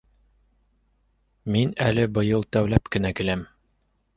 — Мин әле быйыл тәүләп кенә киләм.